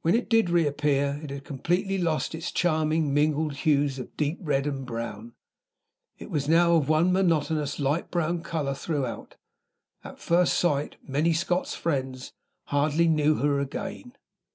When it did reappear, it had completely lost its charming mingled hues of deep red and brown; it was now of one monotonous light brown color throughout. At first sight, Mary's Scotch friends hardly knew her again.